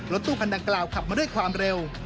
รถตู้คันดังกล่าวขับมาด้วยความเร็ว